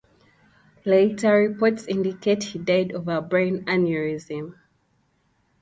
Later reports indicate he died of a brain aneurysm.